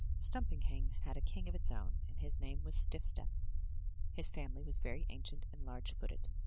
Stumpinghame had a king of its own, and his name was Stiff step; his family was very ancient and large footed.